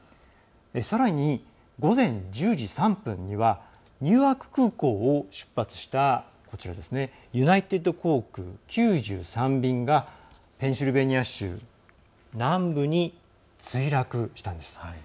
さらに、午前１０時３分にはニューアーク空港を出発したユナイテッド航空９３便がペンシルベニア州南部に墜落したんです。